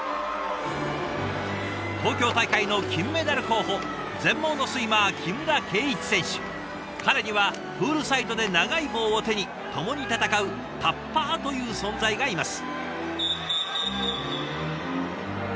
東京大会の金メダル候補彼にはプールサイドで長い棒を手に共に戦う「タッパー」という存在がいます。